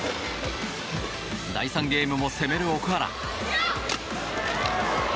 第３ゲームも攻める奥原。